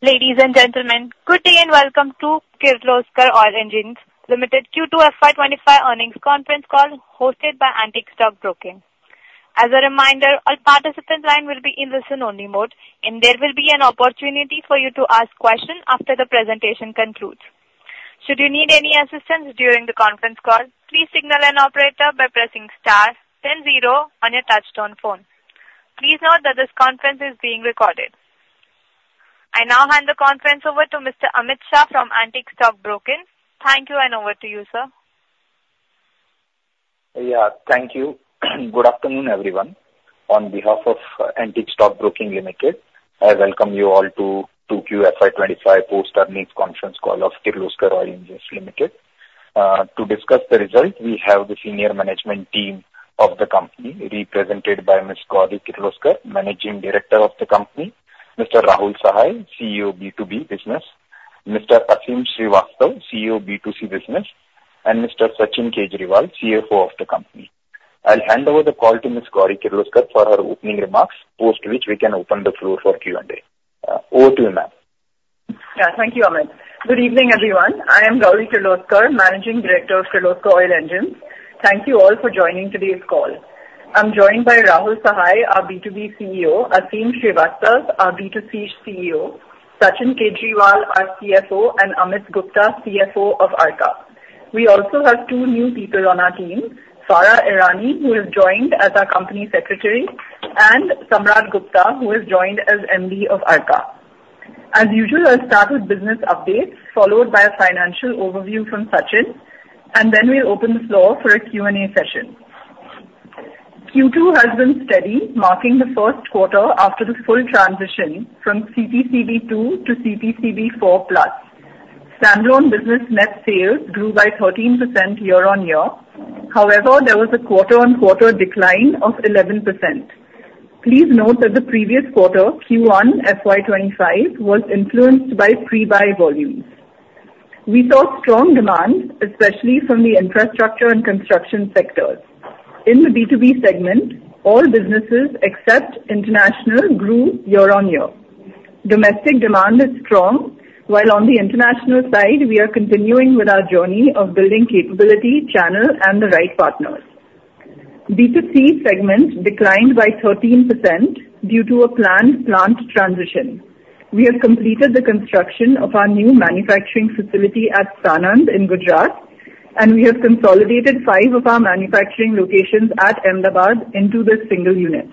Ladies and gentlemen, good day and welcome to Kirloskar Oil Engines Limited Q2 FY 2025 earnings conference call hosted by Antique Stock Broking. As a reminder, all participants' lines will be in listen-only mode, and there will be an opportunity for you to ask questions after the presentation concludes. Should you need any assistance during the conference call, please signal an operator by pressing star then zero on your touchtone phone. Please note that this conference is being recorded. I now hand the conference over to Mr. Amit Shah from Antique Stock Broking. Thank you, and over to you, sir. Yeah, thank you. Good afternoon, everyone. On behalf of Antique Stock Broking Limited, I welcome you all to Q2 FY 2025 post-earnings conference call of Kirloskar Oil Engines Limited. To discuss the results, we have the senior management team of the company, represented by Ms. Gauri Kirloskar, Managing Director of the company, Mr. Rahul Sahai, CEO B2B business, Mr. Aseem Srivastava, CEO B2C business, and Mr. Sachin Kejriwal, CFO of the company. I'll hand over the call to Ms. Gauri Kirloskar for her opening remarks, post which we can open the floor for Q&A. Over to you, ma'am. Yeah, thank you, Amit. Good evening, everyone. I am Gauri Kirloskar, Managing Director of Kirloskar Oil Engines. Thank you all for joining today's call. I'm joined by Rahul Sahai, our B2B CEO, Aseem Srivastava, our B2C CEO, Sachin Kejriwal, our CFO, and Amit Gupta, CFO of Arka. We also have two new people on our team: Farah Irani, who has joined as our company secretary, and Samrat Gupta, who has joined as MD of Arka. As usual, I'll start with business updates, followed by a financial overview from Sachin, and then we'll open the floor for a Q&A session. Q2 has been steady, marking the first quarter after the full transition from CPCB II to CPCB IV+. Standalone business net sales grew by 13% year-on-year. However, there was a quarter-on-quarter decline of 11%. Please note that the previous quarter, Q1 FY 2025, was influenced by pre-buy volumes. We saw strong demand, especially from the infrastructure and construction sectors. In the B2B segment, all businesses except international grew year-on-year. Domestic demand is strong, while on the international side, we are continuing with our journey of building capability, channel, and the right partners. B2C segment declined by 13% due to a planned plant transition. We have completed the construction of our new manufacturing facility at Sanand in Gujarat, and we have consolidated five of our manufacturing locations at Ahmedabad into this single unit.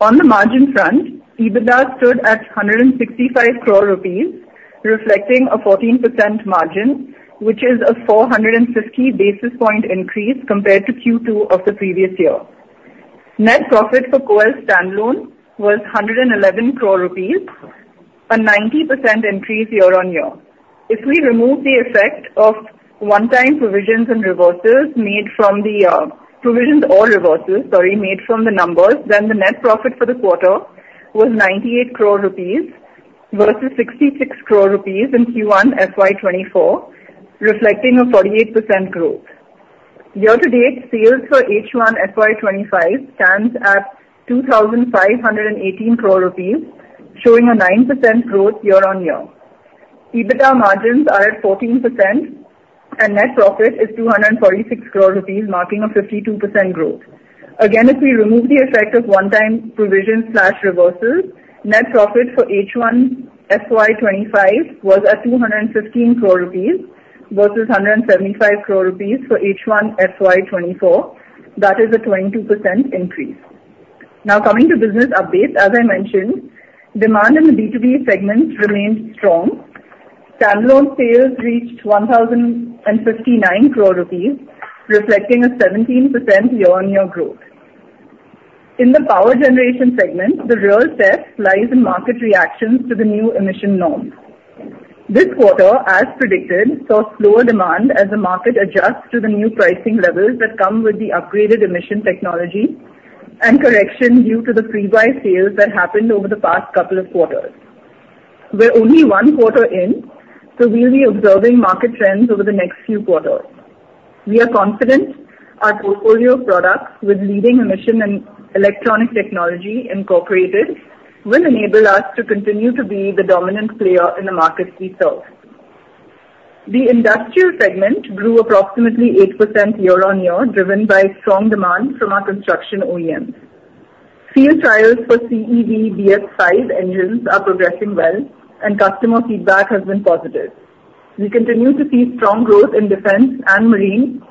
On the margin front, EBITDA stood at 165 crore rupees, reflecting a 14% margin, which is a 450 basis points increase compared to Q2 of the previous year. Net profit for KOEL standalone was 111 crore rupees, a 90% increase year-on-year. If we remove the effect of one-time provisions and reversals made from the provisions or reversals, sorry, made from the numbers, then the net profit for the quarter was 98 crore rupees versus 66 crore rupees in Q1 FY 2024, reflecting a 48% growth. Year-to-date sales for H1 FY 2025 stands at 2,518 crore rupees, showing a 9% growth year-on-year. EBITDA margins are at 14%, and net profit is 246 crore rupees, marking a 52% growth. Again, if we remove the effect of one-time provisions/reversals, net profit for H1 FY 2025 was at 215 crore rupees versus 175 crore rupees for H1 FY 2024. That is a 22% increase. Now, coming to business updates, as I mentioned, demand in the B2B segment remained strong. Standalone sales reached 1,059 crore rupees, reflecting a 17% year-on-year growth. In the Power Generation segment, the real test lies in market reactions to the new emission norms. This quarter, as predicted, saw slower demand as the market adjusts to the new pricing levels that come with the upgraded emission technology and correction due to the pre-buy sales that happened over the past couple of quarters. We're only one quarter in, so we'll be observing market trends over the next few quarters. We are confident our portfolio of products with leading emission and electronic technology incorporated will enable us to continue to be the dominant player in the markets we serve. The industrial segment grew approximately 8% year-on-year, driven by strong demand from our construction OEMs. Field trials for CEV BS V engines are progressing well, and customer feedback has been positive. We continue to see strong growth in defense and marine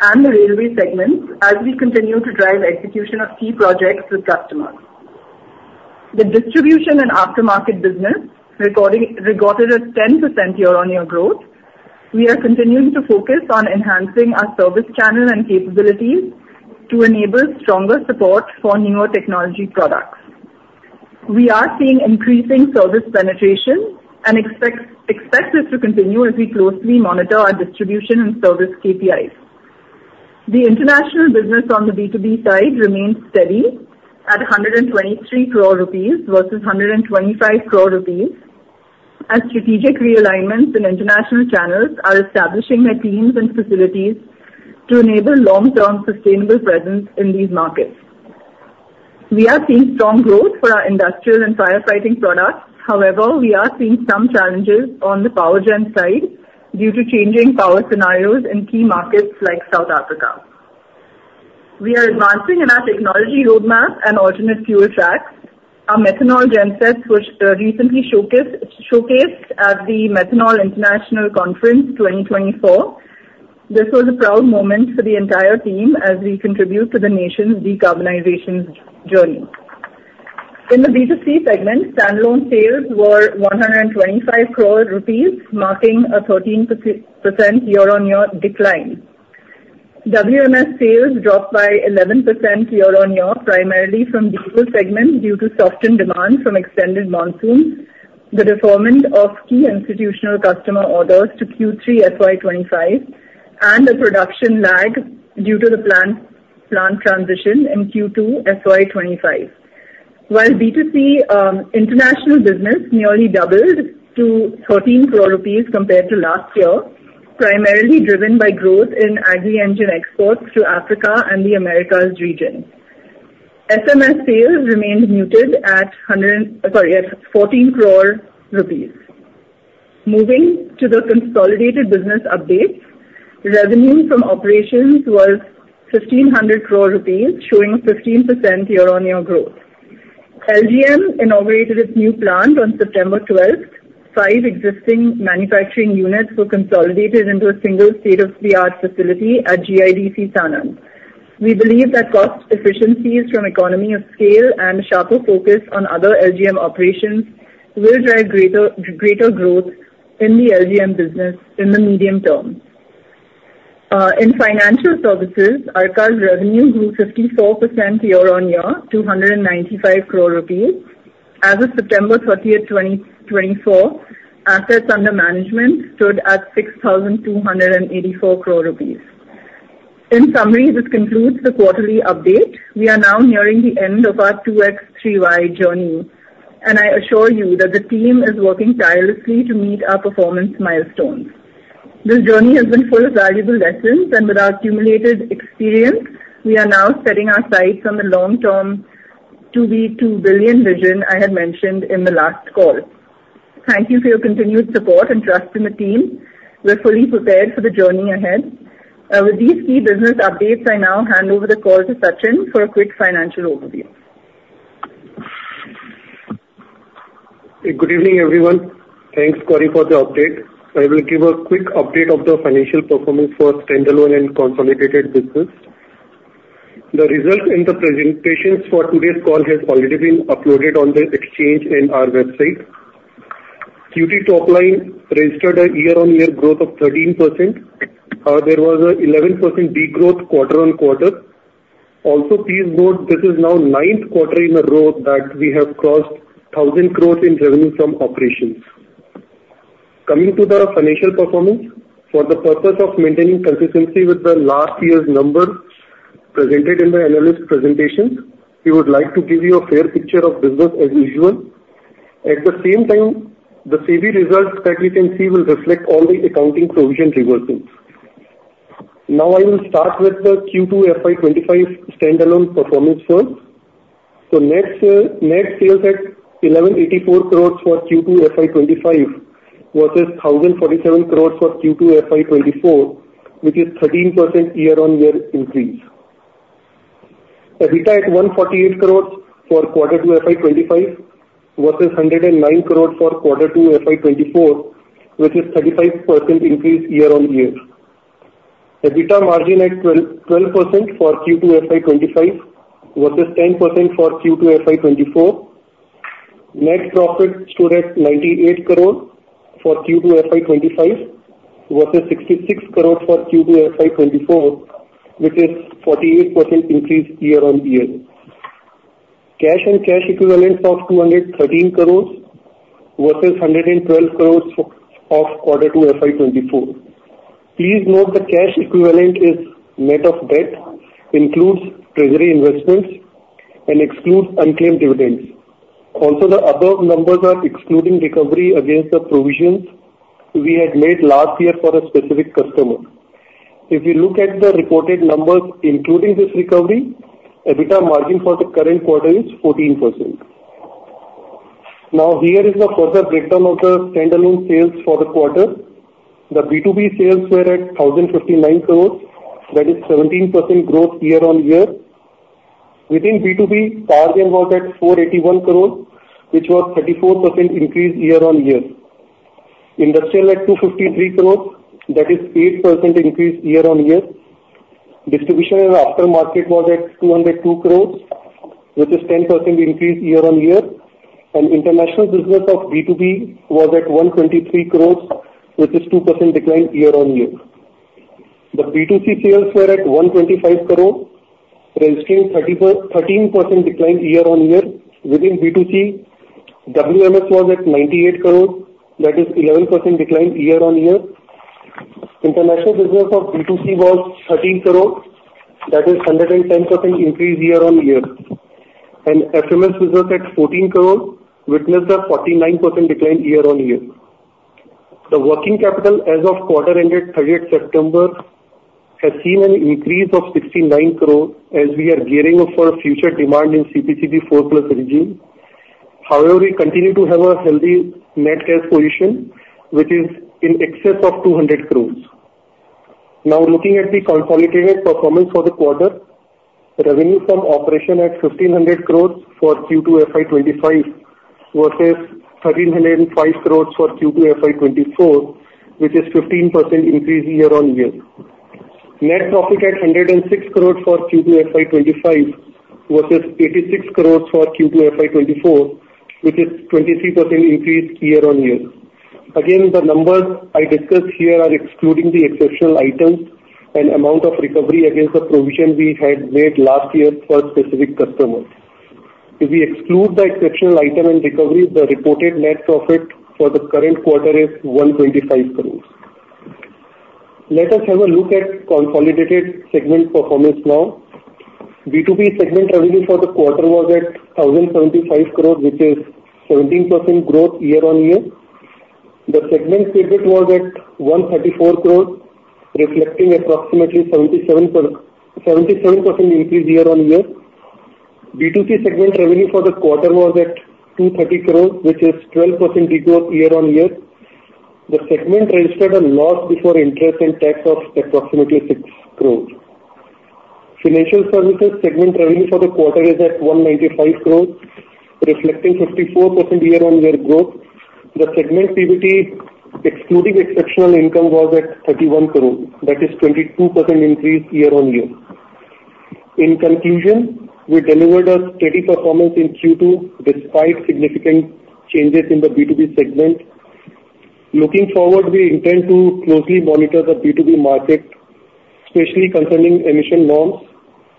and the railway segments as we continue to drive execution of key projects with customers. The distribution and aftermarket business recorded a 10% year-on-year growth. We are continuing to focus on enhancing our service channel and capabilities to enable stronger support for newer technology products. We are seeing increasing service penetration and expect this to continue as we closely monitor our distribution and service KPIs. The international business on the B2B side remains steady at 123 crore rupees versus 125 crore rupees, as strategic realignments in international channels are establishing their teams and facilities to enable long-term sustainable presence in these markets. We are seeing strong growth for our industrial and firefighting products. However, we are seeing some challenges on the Powergen side due to changing power scenarios in key markets like South Africa. We are advancing in our technology roadmap and alternate fuel tracks. Our methanol gensets, which were recently showcased at the Methanol International Conference 2024. This was a proud moment for the entire team as we contribute to the nation's decarbonization journey. In the B2C segment, standalone sales were 125 crore rupees, marking a 13% year-on-year decline. WMS sales dropped by 11% year-on-year, primarily from diesel segment due to softened demand from extended monsoons, the deferment of key institutional customer orders to Q3 FY 2025, and the production lag due to the plant transition in Q2 FY 2025. While B2C international business nearly doubled to 13 crore rupees compared to last year, primarily driven by growth in agri-engine exports to Africa and the Americas region. FMS sales remained muted at 14 crore rupees. Moving to the consolidated business updates, revenue from operations was 1,500 crore rupees, showing a 15% year-on-year growth. LGM inaugurated its new plant on September 12th. Five existing manufacturing units were consolidated into a single state-of-the-art facility at GIDC Sanand. We believe that cost efficiencies from economy of scale and a sharper focus on other LGM operations will drive greater growth in the LGM business in the medium term. In financial services, Arka's revenue grew 54% year-on-year to INR 195 crore. As of September 30th, 2024, assets under management stood at 6,284 crore rupees. In summary, this concludes the quarterly update. We are now nearing the end of our 2X-3Y journey, and I assure you that the team is working tirelessly to meet our performance milestones. This journey has been full of valuable lessons, and with our accumulated experience, we are now setting our sights on the long-term to be $2 Billion vision I had mentioned in the last call. Thank you for your continued support and trust in the team. We're fully prepared for the journey ahead. With these key business updates, I now hand over the call to Sachin for a quick financial overview. Good evening, everyone. Thanks, Gauri, for the update. I will give a quick update of the financial performance for standalone and consolidated business. The results and the presentations for today's call have already been uploaded on the exchange and our website. Q2 top line registered a year-on-year growth of 13%. There was an 11% degrowth quarter-on-quarter. Also, please note this is now the ninth quarter in a row that we have crossed 1,000 crores in revenue from operations. Coming to the financial performance, for the purpose of maintaining consistency with the last year's numbers presented in the analyst presentation, we would like to give you a fair picture of business as usual. At the same time, the statutory results that we can see will reflect all the accounting provision reversals. Now, I will start with the Q2 FY 2025 standalone performance first. So net sales at INR 1,184 crores for Q2 FY 2025 versus INR 1,047 crores for Q2 FY 2024, which is a 13% year-on-year increase. EBITDA at 148 crores for Q2 FY 2025 versus 109 crores for Q2 FY 2024, which is a 35% increase year-on-year. EBITDA margin at 12% for Q2 FY 2025 versus 10% for Q2 FY 2024. Net profit stood at INR 98 crores for Q2 FY 2025 versus INR 66 crores for Q2 FY 2024, which is a 48% increase year-on-year. Cash and cash equivalents of 213 crores versus 112 crores of Q2 FY 2024. Please note the cash equivalent is net of debt, includes treasury investments, and excludes unclaimed dividends. Also, the above numbers are excluding recovery against the provisions we had made last year for a specific customer. If we look at the reported numbers, including this recovery, EBITDA margin for the current quarter is 14%. Now, here is the further breakdown of the standalone sales for the quarter. The B2B sales were at 1,059 crores. That is a 17% growth year-on-year. Within B2B, Powergen was at 481 crores, which was a 34% increase year-on-year. Industrial at 253 crores. That is an 8% increase year-on-year. Distribution and aftermarket was at 202 crores, which is a 10% increase year-on-year. And international business of B2B was at 123 crores, which is a 2% decline year-on-year. The B2C sales were at 125 crores, registering a 13% decline year-on-year. Within B2C, WMS was at 98 crores. That is an 11% decline year-on-year. International business of B2C was 13 crores. That is a 110% increase year-on-year. And FMS business at 14 crores witnessed a 49% decline year-on-year. The working capital as of quarter-end at 30th September has seen an increase of 69 crores as we are gearing up for future demand in CPCB IV+ regime. However, we continue to have a healthy net cash position, which is in excess of 200 crores. Now, looking at the consolidated performance for the quarter, revenue from operations at 1, 500 crores for Q2 FY 2025 versus 1,305 crores for Q2 FY 2024, which is a 15% increase year-on-year. Net profit at 106 crores for Q2 FY 2025 versus 86 crores for Q2 FY 2024, which is a 23% increase year-on-year. Again, the numbers I discussed here are excluding the exceptional items and amount of recovery against the provision we had made last year for a specific customer. If we exclude the exceptional item and recovery, the reported net profit for the current quarter is 125 crores. Let us have a look at consolidated segment performance now. B2B segment revenue for the quarter was at 1,075 crores, which is a 17% growth year-on-year. The segment profit was at 134 crores, reflecting approximately a 77% increase year-on-year. B2C segment revenue for the quarter was at 230 crores, which is a 12% degrowth year-on-year. The segment registered a loss before interest and tax of approximately 6 crores. Financial services segment revenue for the quarter is at 195 crores, reflecting a 54% year-on-year growth. The segment PBT, excluding exceptional income, was at 31 crores. That is a 22% increase year-on-year. In conclusion, we delivered a steady performance in Q2 despite significant changes in the B2B segment. Looking forward, we intend to closely monitor the B2B market, especially concerning emission norms,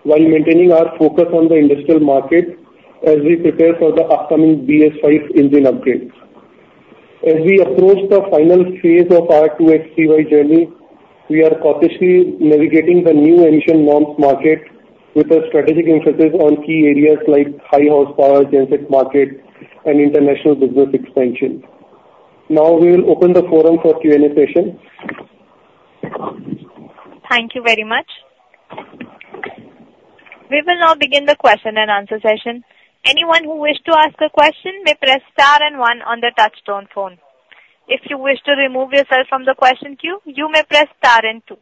while maintaining our focus on the industrial market as we prepare for the upcoming BS V engine update. As we approach the final phase of our 2X-3Y journey, we are cautiously navigating the new emission norms market with a strategic emphasis on key areas like high horsepower genset market and international business expansion. Now, we will open the forum for Q&A sessions. Thank you very much. We will now begin the question and answer session. Anyone who wishes to ask a question may press star and one on the touch-tone phone. If you wish to remove yourself from the question queue, you may press star and two.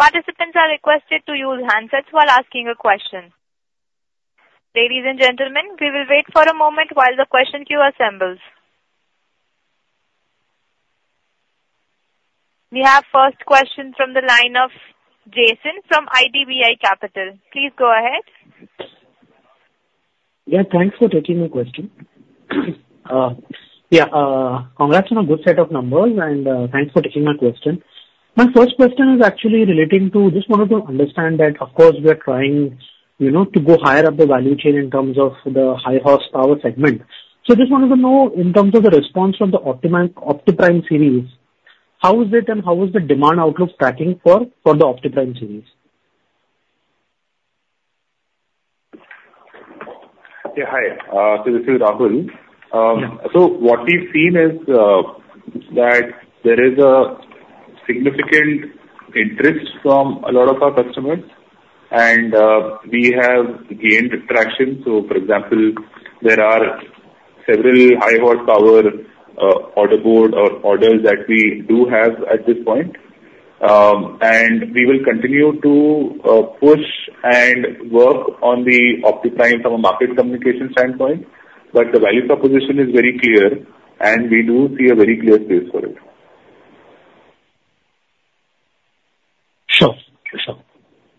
Participants are requested to use handsets while asking a question. Ladies and gentlemen, we will wait for a moment while the question queue assembles. We have the first question from the line of Jason from IDBI Capital. Please go ahead. Yeah, thanks for taking my question. Yeah, congrats on a good set of numbers, and thanks for taking my question. My first question is actually relating to just wanting to understand that, of course, we are trying to go higher up the value chain in terms of the high horsepower segment. So just wanted to know, in terms of the res`ponse from the Optiprime series, how is it, and how is the demand outlook tracking for the Optiprime series? Yeah, hi. This is Rahul. So what we've seen is that there is a significant interest from a lot of our customers, and we have gained traction. So, for example, there are several high horsepower order book or orders that we do have at this point. And we will continue to push and work on the Optiprime from a market communication standpoint. But the value proposition is very clear, and we do see a very clear space for it. Sure. Sure.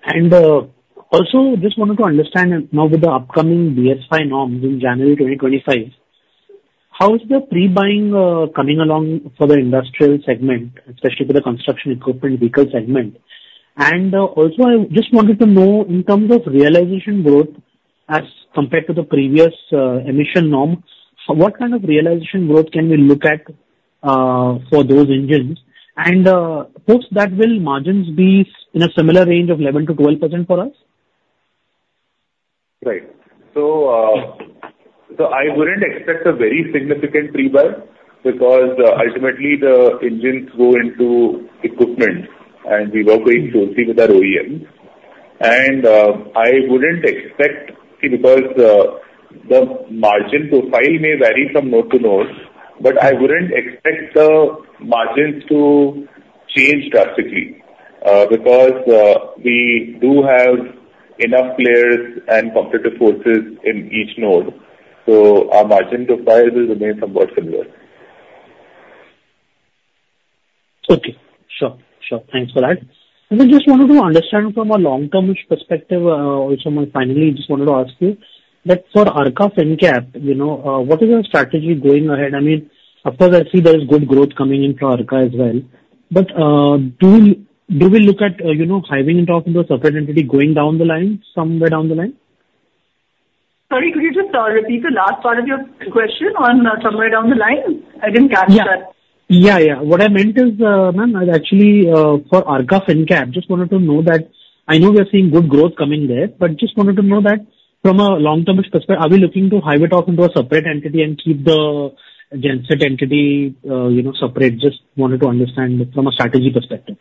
And also, just wanted to understand now with the upcoming BS V norms in January 2025, how is the pre-buying coming along for the industrial segment, especially for the construction equipment vehicle segment? And also, I just wanted to know, in terms of realization growth as compared to the previous emission norm, what kind of realization growth can we look at for those engines? And post that, will margins be in a similar range of 11%-12% for us? Right. So I wouldn't expect a very significant pre-buy because ultimately, the engines go into equipment, and we work very closely with our OEMs, and I wouldn't expect, because the margin profile may vary from node to node, but I wouldn't expect the margins to change drastically because we do have enough players and competitive forces in each node, so our margin profile will remain somewhat similar. Okay. Sure. Sure. Thanks for that. I just wanted to understand from a long-term perspective. Also, finally, I just wanted to ask you that for Arka Fincap, what is your strategy going ahead? I mean, of course, I see there is good growth coming in for Arka as well. But do we look at having sort of the separate entity going down the line, somewhere down the line? Sorry, could you just repeat the last part of your question on somewhere down the line? I didn't catch that. What I meant is, ma'am, actually, for Arka Fincap, just wanted to know that I know we are seeing good growth coming there, but just wanted to know that from a long-term perspective, are we looking to hive off into a separate entity and keep the genset entity separate? Just wanted to understand from a strategy perspective.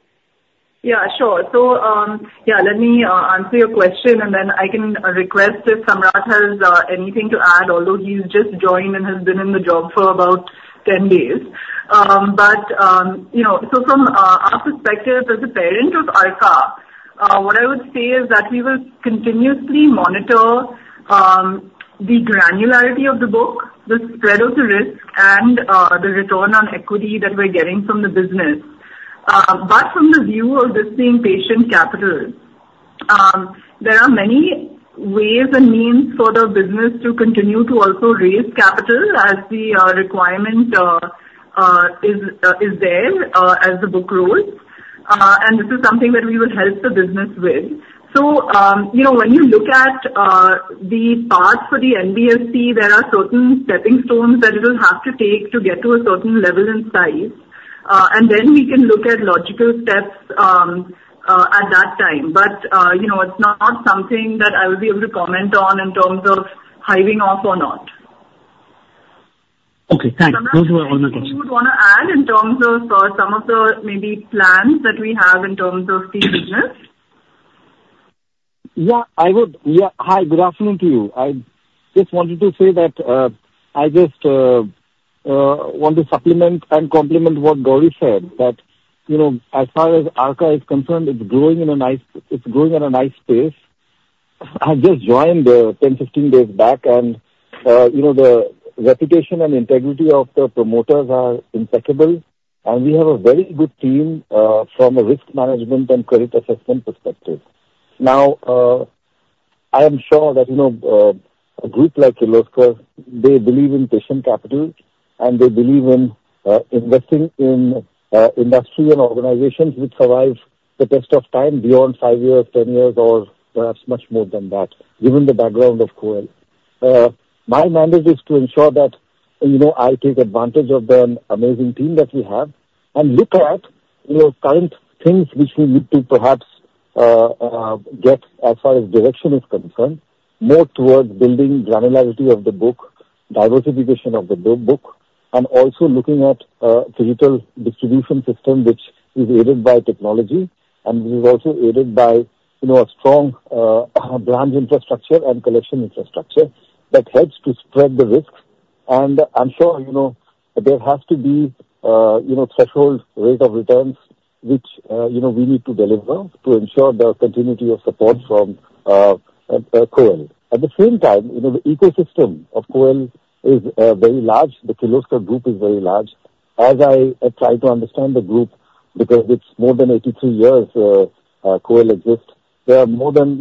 Yeah, sure. So yeah, let me answer your question, and then I can request if Samrat has anything to add, although he's just joined and has been in the job for about 10 days. But from our perspective as a parent of Arka, what I would say is that we will continuously monitor the granularity of the book, the spread of the risk, and the return on equity that we're getting from the business. But from the view of this being patient capital, there are many ways and means for the business to continue to also raise capital as the requirement is there, as the book grows. And this is something that we will help the business with. So when you look at the path for the NBFC, there are certain stepping stones that it will have to take to get to a certain level in size. And then we can look at logical steps at that time. But it's not something that I will be able to comment on in terms of hiving off or not. Okay. Thanks. Those were all my questions. Samrat, anything you would want to add in terms of some of the maybe plans that we have in terms of the business? Yeah. Hi. Good afternoon to you. I just wanted to say that I just want to supplement and complement what Gauri said, that as far as Arka is concerned, it's growing at a nice pace. I just joined 10, 15 days back, and the reputation and integrity of the promoters are impeccable. And we have a very good team from a risk management and credit assessment perspective. Now, I am sure that a group like Kirloskar, they believe in patient capital, and they believe in investing in industrial organizations which survive the test of time beyond five years, 10 years, or perhaps much more than that, given the background of KOEL. My mandate is to ensure that I take advantage of the amazing team that we have and look at current things which we need to perhaps get as far as direction is concerned, more towards building granularity of the book, diversification of the book, and also looking at a digital distribution system which is aided by technology and which is also aided by a strong branch infrastructure and collection infrastructure that helps to spread the risk and I'm sure there has to be a threshold rate of returns which we need to deliver to ensure the continuity of support from KOEL. At the same time, the ecosystem of KOEL is very large. The Kirloskar Group is very large. As I try to understand the group, because it's more than 83 years KOEL exists, there are more than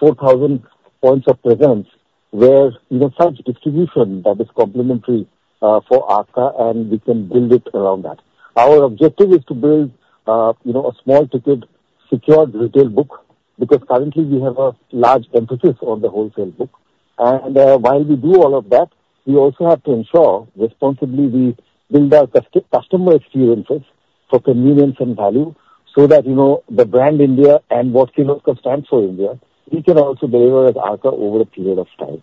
4,000 points of presence where such distribution that is complementary for Arka, and we can build it around that. Our objective is to build a small-ticket secured retail book because currently, we have a large emphasis on the wholesale book, and while we do all of that, we also have to ensure responsibly we build our customer experiences for convenience and value so that the brand India and what Kirloskar stands for, India, we can also deliver as Arka over a period of time.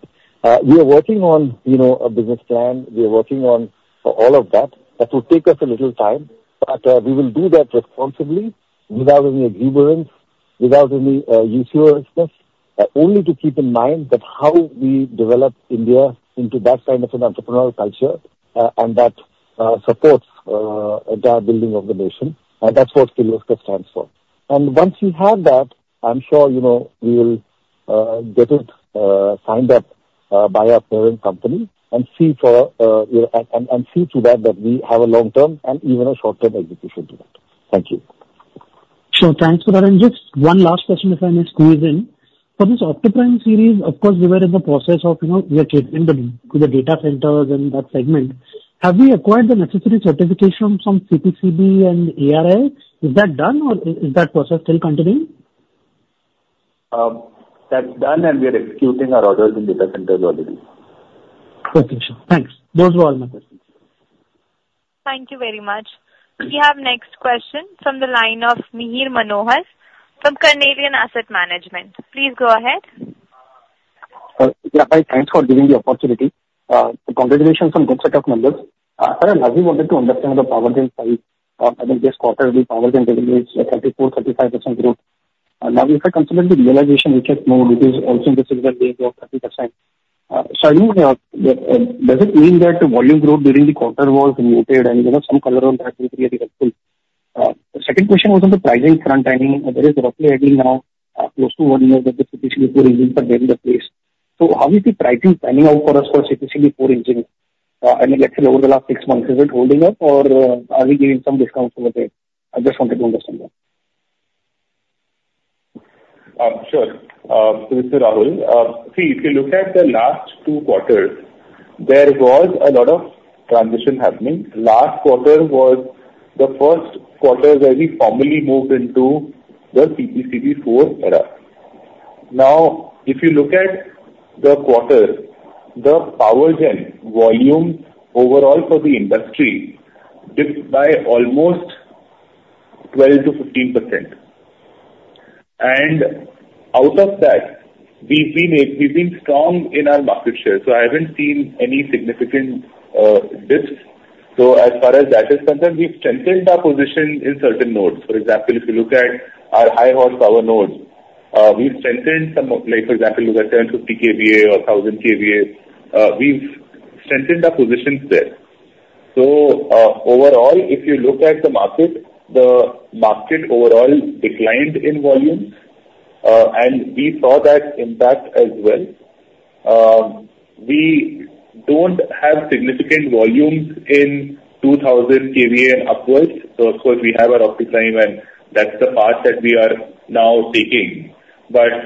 We are working on a business plan. We are working on all of that. That will take us a little time, but we will do that responsibly, without any exuberance, without any uselessness, only to keep in mind that how we develop India into that kind of an entrepreneurial culture and that supports the entire building of the nation. And that's what Kirloskar stands for. And once we have that, I'm sure we will get it signed up by our parent company and see to it that we have a long-term and even a short-term execution to that. Thank you. Sure. Thanks for that. And just one last question, if I may squeeze in. For this Optiprime series, of course, we are chasing the data centers and that segment. Have we acquired the necessary certification from CPCB and EPA? Is that done, or is that process still continuing? That's done, and we are executing our orders in data centers already. Okay. Sure. Thanks. Those were all my questions. Thank you very much. We have the next question from the line of Mihir Manohar from Carnelian Asset Management. Please go ahead. Yeah. Hi. Thanks for giving the opportunity. Congratulations on a good set of numbers. As I said, I really wanted to understand the Powergen side. I think this quarter will be Powergen revenues at 34%-35% growth. Now, if I consider the realization we just moved, which is also in the similar range of 30%, so I think does it mean that the volume growth during the quarter was muted and some color on that will be very helpful? The second question was on the pricing front. I mean, there is roughly I think now close to one year that the CPCB IV engines are getting the place. So how is the pricing panning out for us for CPCB IV engines? I mean, let's say over the last six months, is it holding up, or are we giving some discounts over there? I just wanted to understand that. Sure. So this is Rahul. See, if you look at the last two quarters, there was a lot of transition happening. Last quarter was the first quarter where we formally moved into the CPCB IV era. Now, if you look at the quarter, the Powergen volume overall for the industry dipped by almost 12%-15%. And out of that, we've been strong in our market share. So I haven't seen any significant dips. So as far as that is concerned, we've strengthened our position in certain nodes. For example, if you look at our high horsepower nodes, we've strengthened some for example, look at 750 kVA or 1,000 kVA. We've strengthened our positions there. So overall, if you look at the market, the market overall declined in volume, and we saw that impact as well. We don't have significant volumes in 2,000 kVA and upwards. So of course, we have our Optiprime, and that's the path that we are now taking. But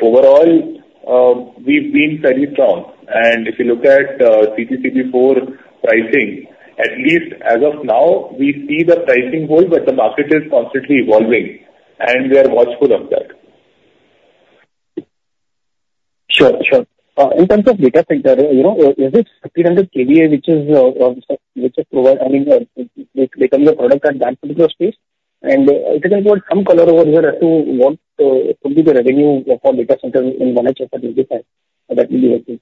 overall, we've been fairly strong. And if you look at CPCB IV pricing, at least as of now, we see the pricing hold, but the market is constantly evolving, and we are watchful of that. Sure. Sure. In terms of data center, is it 1,500 kVA, which is provided I mean, becoming a product at that particular space? And it depends on some color over here as to what could be the revenue for data centers in one hyperscale data center. That would be helpful.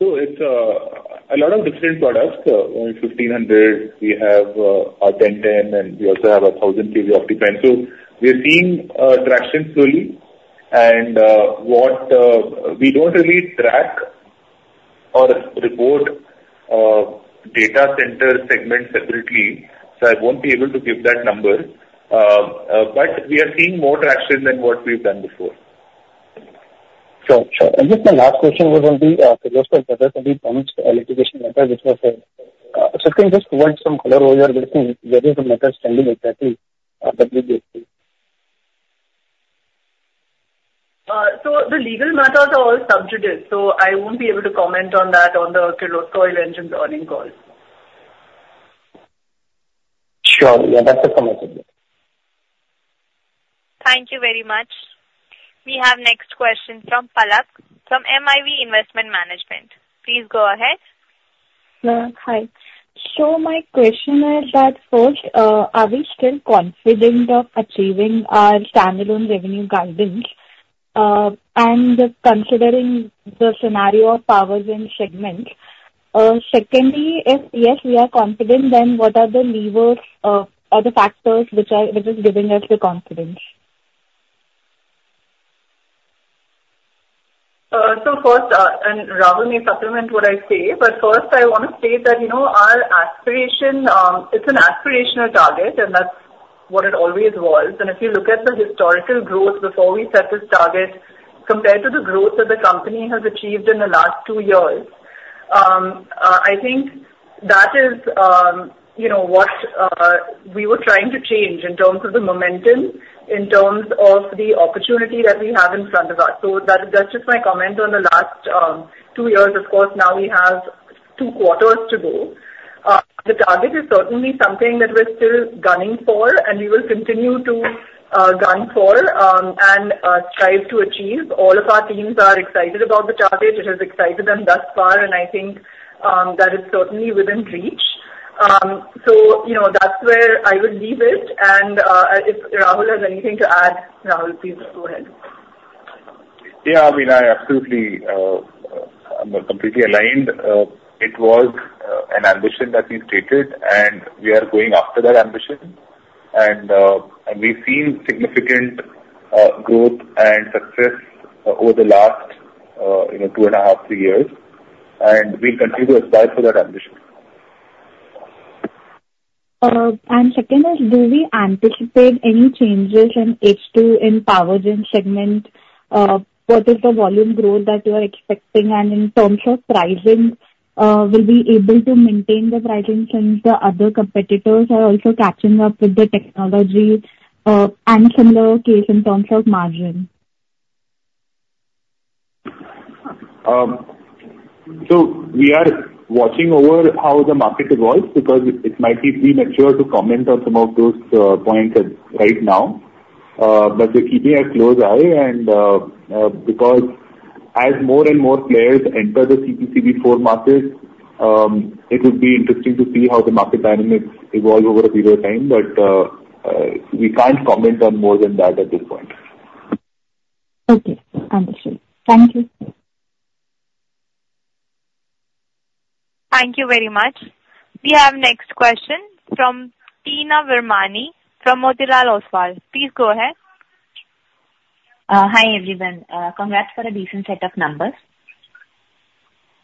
So it's a lot of different products. 1,500 kVA, we have our 1010 kVA, and we also have our 1,000 kVA Optiprime. So we're seeing traction slowly. And we don't really track or report data center segments separately, so I won't be able to give that number. But we are seeing more traction than what we've done before. Sure. Sure. And just my last question was on the Kirloskar project, on the electrification method, which was asked just to get some color over here. Where is the method standing exactly? So the legal matters are all subject to this. So I won't be able to comment on that on the Kirloskar Oil Engines earnings call. Sure. Yeah. That's a comment. Thank you very much. We have the next question from Palak from MIV Investment Management. Please go ahead. Hi. So my question is that first, are we still confident of achieving our standalone revenue guidance? And considering the scenario of Powergen segments, secondly, if yes, we are confident, then what are the levers or the factors which are giving us the confidence? So first, and Rahul may supplement what I say, but first, I want to state that our aspiration, it's an aspirational target, and that's what it always was. And if you look at the historical growth before we set this target, compared to the growth that the company has achieved in the last two years, I think that is what we were trying to change in terms of the momentum, in terms of the opportunity that we have in front of us. So that's just my comment on the last two years. Of course, now we have two quarters to go. The target is certainly something that we're still gunning for, and we will continue to gun for and strive to achieve. All of our teams are excited about the target. It has excited them thus far, and I think that it's certainly within reach. So that's where I would leave it. And if Rahul has anything to add, Rahul, please go ahead. Yeah. I mean, I absolutely am completely aligned. It was an ambition that we stated, and we are going after that ambition. And we've seen significant growth and success over the last two and a half, three years. And we'll continue to aspire for that ambition. And secondly, do we anticipate any changes in H2 in Powergen segment? What is the volume growth that you are expecting? And in terms of pricing, will we be able to maintain the pricing since the other competitors are also catching up with the technology? And similar case in terms of margin? So we are watching over how the market evolves because it might be premature to comment on some of those points right now. But we're keeping a close eye. And because as more and more players enter the CPCB IV market, it would be interesting to see how the market dynamics evolve over a period of time. But we can't comment on more than that at this point. Okay. Understood. Thank you. Thank you very much. We have the next question from Teena Virmani from Motilal Oswal. Please go ahead. Hi everyone. Congrats for a decent set of numbers.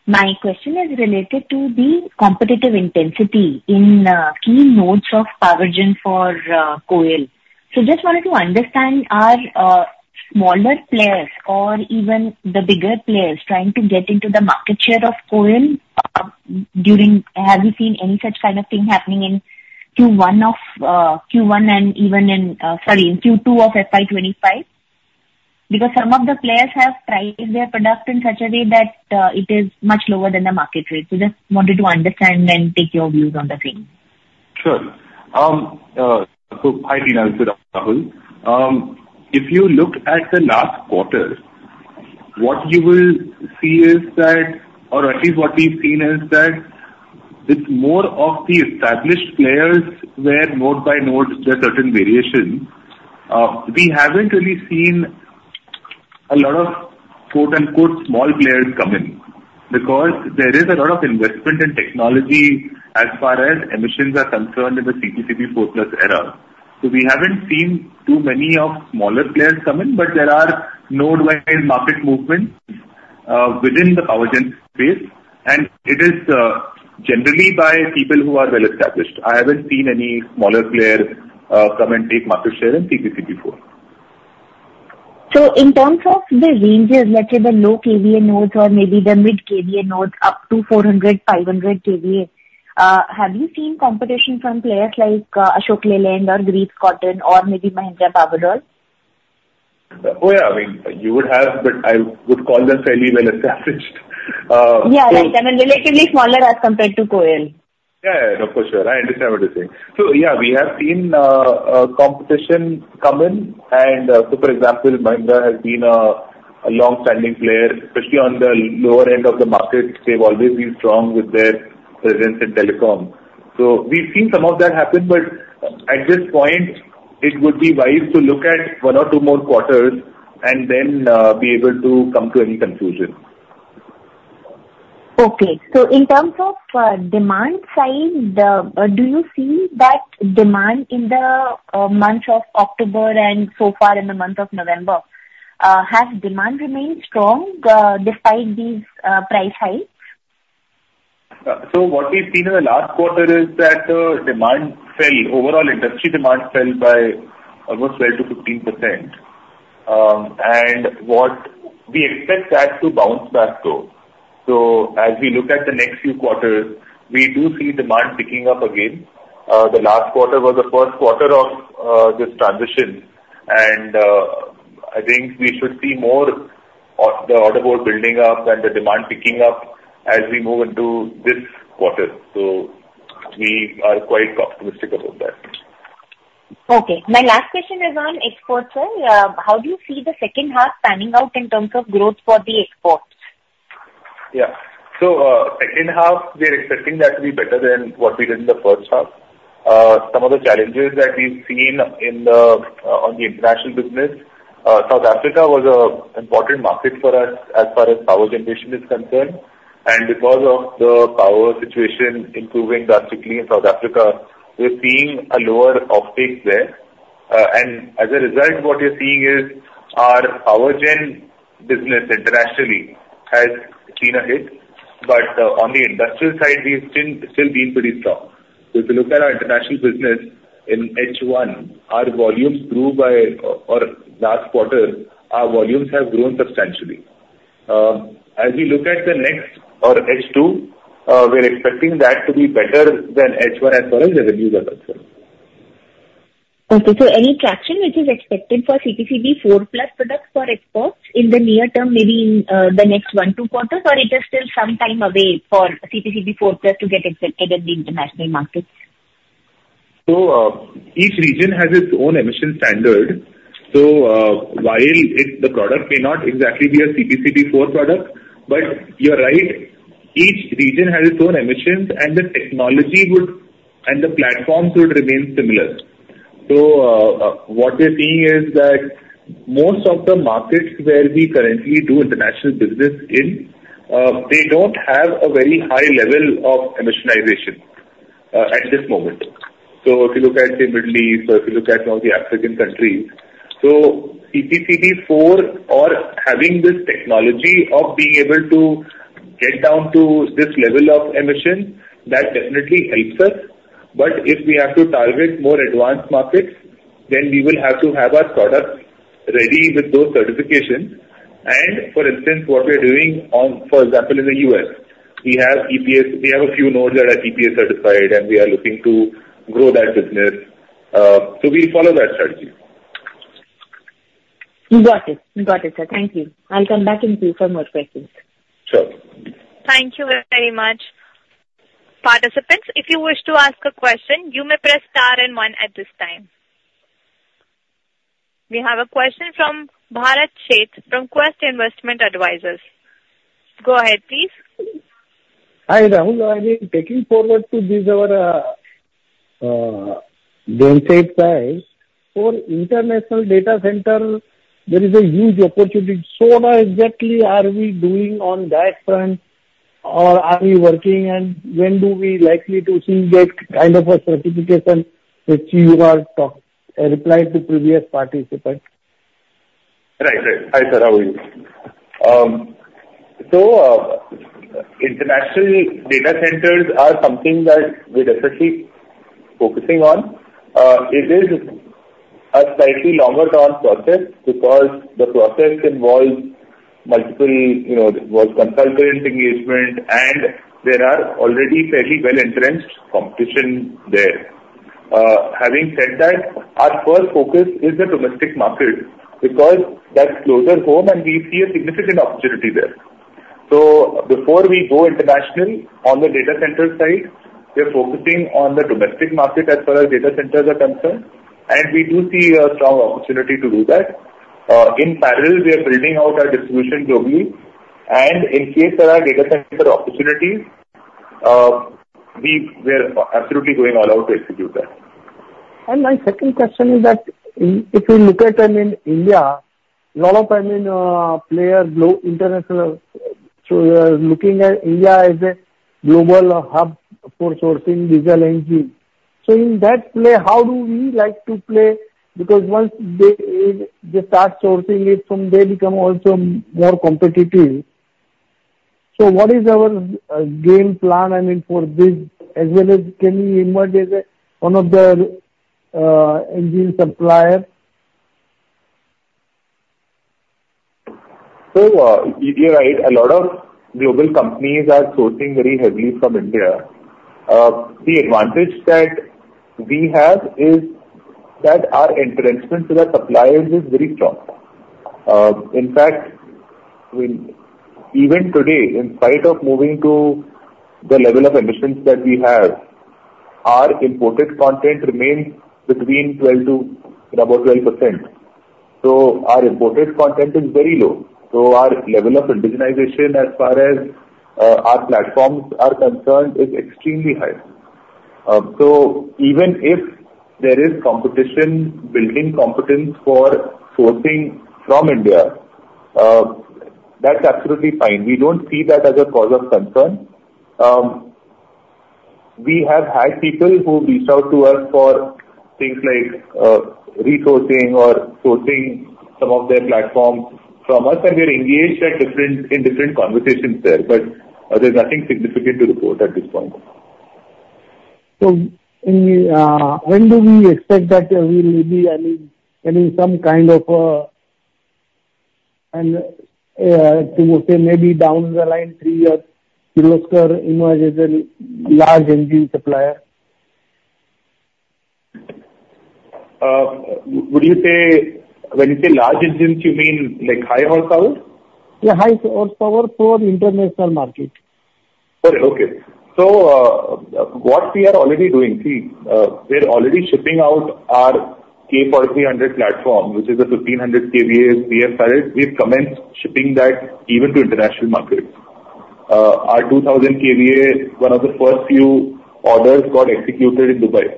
My question is related to the competitive intensity in key nodes of Powergen for KOEL. So just wanted to understand, are smaller players or even the bigger players trying to get into the market share of KOEL? Have you seen any such kind of thing happening in Q1 and even in, sorry, in Q2 of FY 2025? Because some of the players have priced their product in such a way that it is much lower than the market rate. So just wanted to understand and take your views on the thing. Sure. So hi, Teena. This is Rahul. If you look at the last quarter, what you will see is that, or at least what we've seen is that it's more of the established players where OEM by OEM there's certain variation. We haven't really seen a lot of "small players" come in because there is a lot of investment in technology as far as emissions are concerned in the CPCB IV+ era. So we haven't seen too many of smaller players come in, but there are OEM-wide market movements within the Powergen space. And it is generally by people who are well-established. I haven't seen any smaller player come and take market share in CPCB IV. So in terms of the ranges, let's say the low kVA nodes or maybe the mid kVA nodes up to 400 kVA, 500 kVA, have you seen competition from players like Ashok Leyland or Greaves Cotton or maybe Mahindra Powerol? Oh, yeah. I mean, you would have, but I would call them fairly well-established. Yeah. Right, and relatively smaller as compared to KOEL. Yeah. Yeah. No, for sure. I understand what you're saying. So yeah, we have seen competition come in. And so for example, Mahindra has been a long-standing player, especially on the lower end of the market. They've always been strong with their presence in telecom. So we've seen some of that happen, but at this point, it would be wise to look at one or two more quarters and then be able to come to any conclusion. Okay. So in terms of demand side, do you see that demand in the month of October and so far in the month of November? Has demand remained strong despite these price hikes? What we've seen in the last quarter is that demand fell. Overall, industry demand fell by almost 12%-15%. And we expect that to bounce back though. So as we look at the next few quarters, we do see demand picking up again. The last quarter was the first quarter of this transition. And I think we should see more of the order board building up and the demand picking up as we move into this quarter. So we are quite optimistic about that. Okay. My last question is on exports. How do you see the second half panning out in terms of growth for the exports? Yeah. So second half, we're expecting that to be better than what we did in the first half. Some of the challenges that we've seen on the international business, South Africa was an important market for us as far as Power Generation is concerned. And because of the power situation improving drastically in South Africa, we're seeing a lower offtake there. And as a result, what you're seeing is our Powergen business internationally has seen a hit. But on the industrial side, we've still been pretty strong. So if you look at our international business in H1, our volumes grew by, or last quarter, our volumes have grown substantially. As we look at the next, or H2, we're expecting that to be better than H1 as far as revenues are concerned. Okay. Any traction, which is expected for CPCB IV+ products for exports in the near term, maybe in the next one to two quarters, or it is still some time away for CPCB IV+ to get accepted in the international markets? So each region has its own emission standard. So while the product may not exactly be a CPCB IV product, but you're right, each region has its own emissions, and the technology would, and the platforms would remain similar. So what we're seeing is that most of the markets where we currently do international business in, they don't have a very high level of emissionization at this moment. So if you look at, say, the Middle East, or if you look at some of the African countries, so CPCB IV or having this technology of being able to get down to this level of emissions, that definitely helps us. But if we have to target more advanced markets, then we will have to have our products ready with those certifications. And for instance, what we're doing on, for example, in the U.S., we have a few nodes that are EPA certified, and we are looking to grow that business. So we'll follow that strategy. You got it. You got it, sir. Thank you. I'll come back and see for more questions. Sure. Thank you very much. Participants, if you wish to ask a question, you may press star and one at this time. We have a question from Bharat Sheth from Quest Investment Advisors. Go ahead, please. Hi Rahul. I mean, taking forward to these are the insights for international data center, there is a huge opportunity. So now, exactly are we doing on that front, or are we working, and when do we likely to see that kind of a certification, which you are talking replied to previous participant? Right. Right. Hi, sir. How are you? So international data centers are something that we're definitely focusing on. It is a slightly longer-term process because the process involves multiple consultant engagement, and there are already fairly well-entrenched competition there. Having said that, our first focus is the domestic market because that's closer to home, and we see a significant opportunity there. So before we go international on the data center side, we're focusing on the domestic market as far as data centers are concerned. And we do see a strong opportunity to do that. In parallel, we are building out our distribution globally. And in case there are data center opportunities, we are absolutely going all out to execute that. My second question is that if we look at, I mean, India, a lot of, I mean, players global international. So we are looking at India as a global hub for sourcing diesel engine. So in that play, how do we like to play? Because once they start sourcing it, from there become also more competitive. So what is our game plan, I mean, for this, as well as can we emerge as one of the engine suppliers? So you're right. A lot of global companies are sourcing very heavily from India. The advantage that we have is that our entrenchment with our suppliers is very strong. In fact, even today, in spite of moving to the level of emissions that we have, our imported content remains between 12% to about 12%. So our imported content is very low. So our level of indigenization as far as our platforms are concerned is extremely high. So even if there is competition, building competence for sourcing from India, that's absolutely fine. We don't see that as a cause of concern. We have had people who reached out to us for things like resourcing or sourcing some of their platforms from us, and we're engaged in different conversations there. But there's nothing significant to report at this point. So when do we expect that there will be, I mean, some kind of, and to say maybe down the line three years, Kirloskar emerges as a large engine supplier? When you say large engines, you mean like high horsepower? Yeah. High horsepower for international market. Okay. So what we are already doing, see, we're already shipping out our K4300 platform, which is a 1500 kVA we have started. We've commenced shipping that even to international markets. Our 2000 kVA, one of the first few orders got executed in Dubai.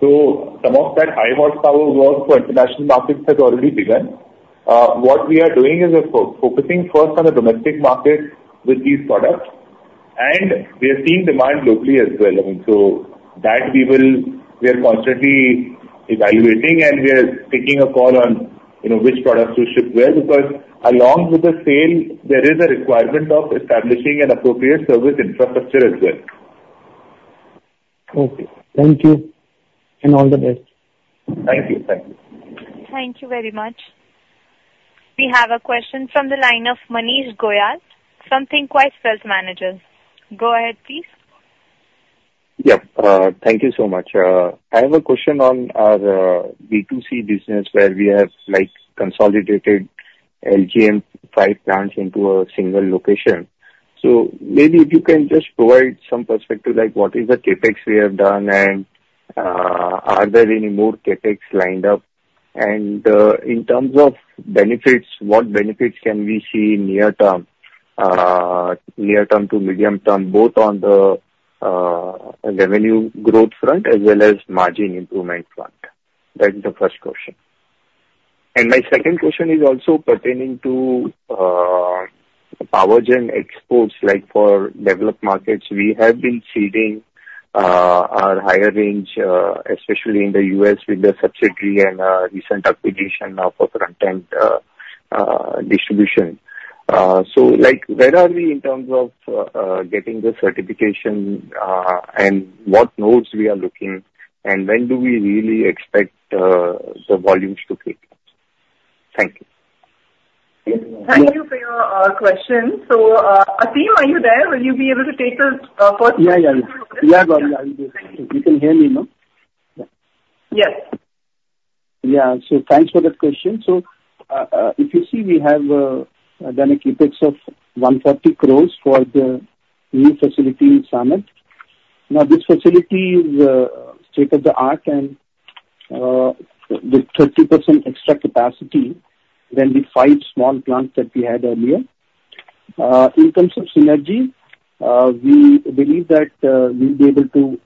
So some of that high horsepower work for international markets has already begun. What we are doing is focusing first on the domestic market with these products. And we are seeing demand locally as well. I mean, so that we are constantly evaluating, and we are taking a call on which products to ship well because along with the sale, there is a requirement of establishing an appropriate service infrastructure as well. Okay. Thank you, and all the best. Thank you. Thank you. Thank you very much. We have a question from the line of Manish Goyal from Thinkwise Wealth Management. Go ahead, please. Yeah. Thank you so much. I have a question on our B2C business where we have consolidated LGM's plants into a single location. So maybe if you can just provide some perspective, like what is the CapEx we have done, and are there any more CapEx lined up? And in terms of benefits, what benefits can we see near-term to medium-term, both on the revenue growth front as well as margin improvement front? That's the first question. And my second question is also pertaining to Powergen exports, like for developed markets, we have been seeding our higher range, especially in the U.S. with the subsidiary and recent acquisition of a front-end distribution. So where are we in terms of getting the certification, and what norms we are looking, and when do we really expect the volumes to peak? Thank you. Thank you for your question. So Aseem, are you there? Will you be able to take the first question? Yeah. You can hear me, no? Yes. Yeah. So thanks for that question. So if you see, we have done a CapEx of 140 crores for the new facility in Sanand. Now, this facility is state-of-the-art and with 30% extra capacity than the five small plants that we had earlier. In terms of synergy, we believe that we'll be able to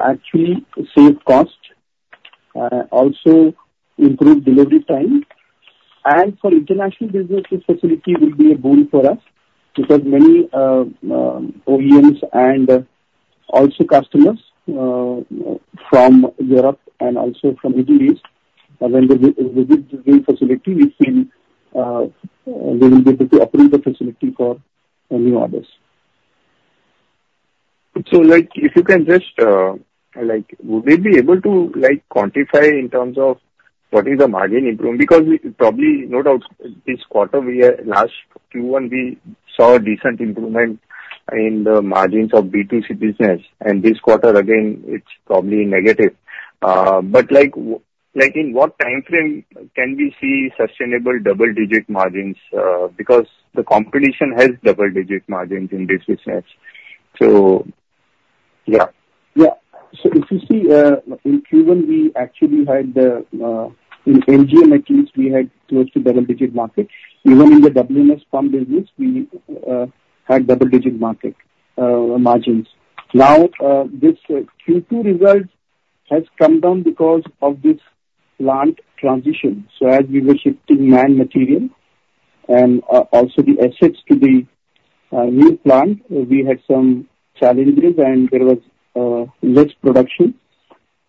actually save cost, also improve delivery time. And for international business, this facility will be a boon for us because many OEMs and also customers from Europe and also from Italy, when they visit this facility, we feel they will be able to opt for the facility for new orders. Would we be able to quantify in terms of what is the margin improvement? Because probably no doubt this quarter, last Q1, we saw a decent improvement in the margins of B2C business. And this quarter, again, it's probably negative. But in what time frame can we see sustainable double-digit margins? Because the competition has double-digit margins in this business. So yeah. Yeah. So if you see, in Q1, we actually had, in LGM, at least, we had close to double-digit margins. Even in the WMS pump business, we had double-digit margins. Now, this Q2 result has come down because of this plant transition. So as we were shifting man material and also the assets to the new plant, we had some challenges, and there was less production,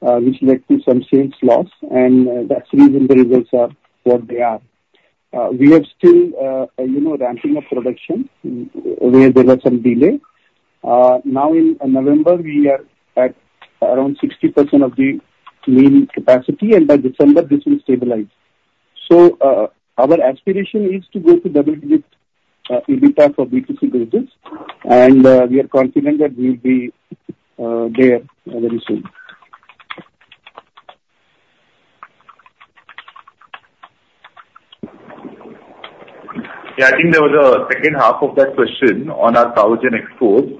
which led to some sales loss. And that's the reason the results are what they are. We are still ramping up production, where there was some delay. Now, in November, we are at around 60% of the nameplate capacity, and by December, this will stabilize. So our aspiration is to go to double-digit EBITDA for B2C business. And we are confident that we'll be there very soon. Yeah. I think there was a second half of that question on our Powergen exports.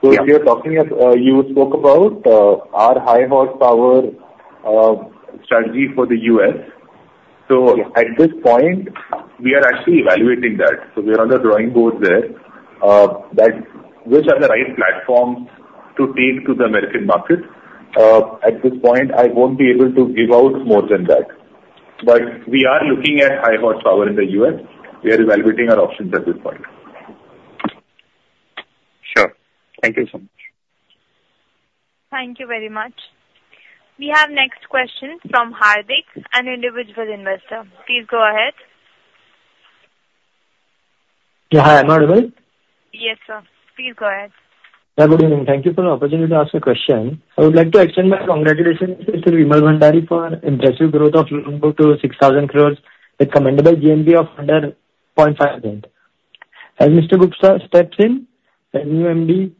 So if you're talking of, you spoke about our high horsepower strategy for the U.S. So at this point, we are actually evaluating that. So we are on the drawing board there, which are the right platforms to take to the American market. At this point, I won't be able to give out more than that. But we are looking at high horsepower in the U.S. We are evaluating our options at this point. Sure. Thank you so much. Thank you very much. We have next question from Hardik, an individual investor. Please go ahead. Yeah. Hi. Am I audible? Yes, sir. Please go ahead. Yeah. Good evening. Thank you for the opportunity to ask a question. I would like to extend my congratulations to Mr. Vimal Bhandari for impressive growth of loan book to 6,000 crores with commendable GNPA of 100.5%. As Mr. Gupta steps in, MD,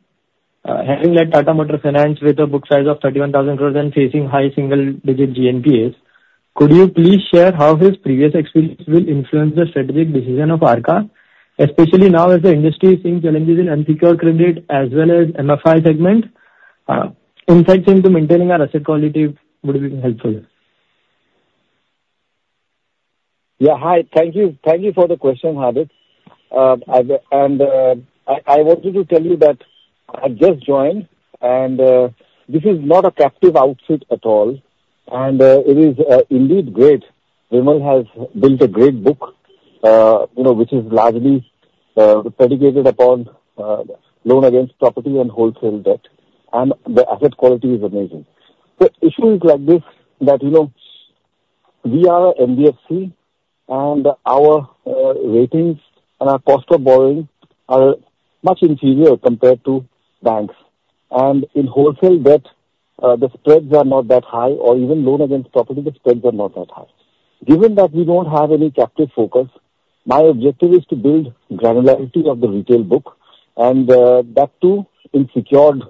having led Tata Motors Finance with a book size of 31,000 crores and facing high single-digit GNPAs, could you please share how his previous experience will influence the strategic decision of Arka, especially now as the industry is seeing challenges in unsecured credit as well as MFI segment? Insights into maintaining our asset quality would be helpful. Yeah. Hi. Thank you. Thank you for the question, Hardik. And I wanted to tell you that I just joined, and this is not a captive outfit at all. And it is indeed great. Vimal has built a great book, which is largely predicated upon loan against property and wholesale debt. And the asset quality is amazing. But issues like this, that we are NBFC, and our ratings and our cost of borrowing are much inferior compared to banks. And in wholesale debt, the spreads are not that high, or even loan against property, the spreads are not that high. Given that we don't have any captive focus, my objective is to build granularity of the retail book. And that too, in secured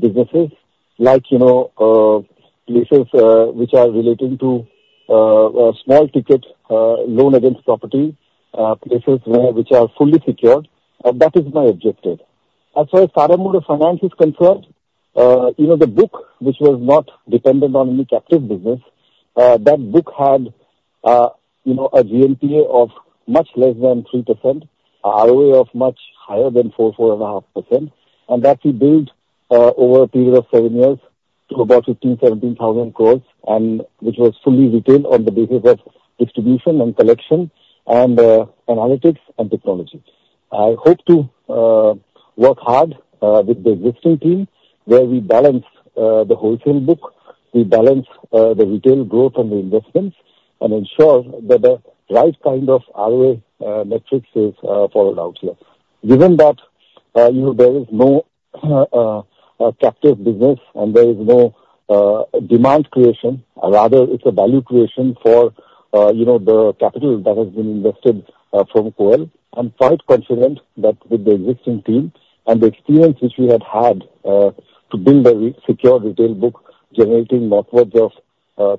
businesses, like places which are relating to small ticket loan against property, places which are fully secured, that is my objective. As far as Tata Motors Finance is concerned, the book, which was not dependent on any captive business, that book had a GNPA of much less than 3%, ROA of much higher than 4%-4.5%. And that we built over a period of seven years to about 15,000 crores, 17,000 crores, which was fully retailed on the basis of distribution and collection and analytics and technology. I hope to work hard with the existing team, where we balance the wholesale book, we balance the retail growth and the investments, and ensure that the right kind of ROA metrics is followed out here. Given that there is no captive business and there is no demand creation, rather it's a value creation for the capital that has been invested from KOEL, I'm quite confident that with the existing team and the experience which we had had to build a secure retail book generating lots of